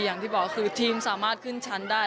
อย่างที่บอกคือทีมสามารถขึ้นชั้นได้